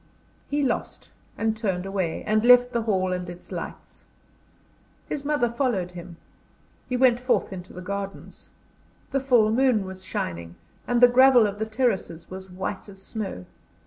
He lost, and turned away, and left the hall and its lights. His mother followed him. He went forth into the gardens. The full moon was shining, and the gravel of the terraces was white as snow.